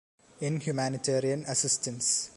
In humanitarian assistance